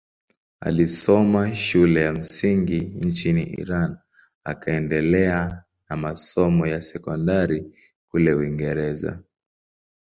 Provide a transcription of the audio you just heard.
Alisoma shule ya msingi nchini Iran akaendelea na masomo ya sekondari kule Uingereza.